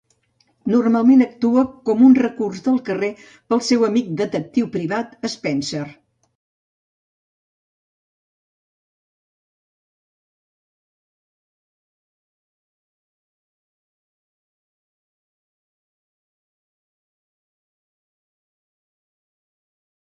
Normalment actuava com un recurs del carrer per al seu amic detectiu privat Spenser.